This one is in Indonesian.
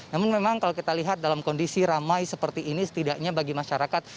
namun memang kalau kita lihat dalam kondisi ramai seperti ini setidaknya bagi masyarakat